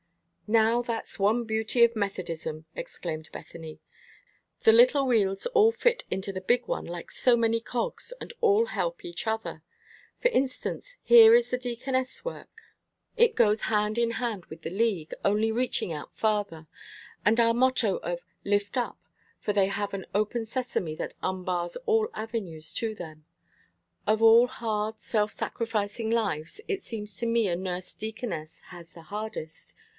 "Now, that's one beauty of Methodism," exclaimed Bethany. "The little wheels all fit into the big one like so many cogs, and all help each other. For instance, here is the deaconess work. It goes hand in hand with the League, only reaching out farther, with our motto of 'Lift Up,' for they have an 'open sesame' that unbars all avenues to them. Of all hard, self sacrificing lives, it seems to me a nurse deaconess has the hardest.